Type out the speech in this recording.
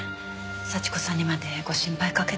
幸子さんにまでご心配かけて。